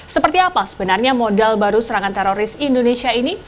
seperti apa sebenarnya modal baru serangan teroris indonesia ini